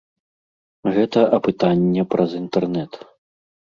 Гэта апытанне праз інтэрнэт.